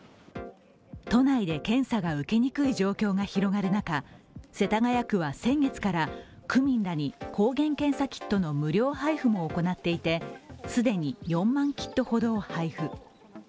都内で検査が受けにくい状況が広がる中、世田谷区は先月から区民らに抗原検査キットの無料配布も行っていて、既に４万キットほど配布。